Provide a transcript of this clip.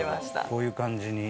こういう感じに。